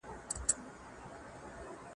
زه هره ورځ سبزېجات تياروم.